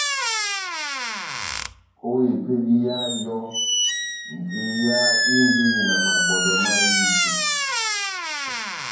Ó epédi yá eyɔ́, njeyá inidini na mabɔ́dɔ mahiti.